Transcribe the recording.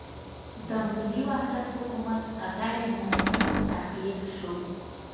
د ملي وحدت حکومت غیر نارمل تخلیق شو.